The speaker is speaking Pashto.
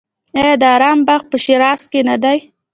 آیا د ارم باغ په شیراز کې نه دی؟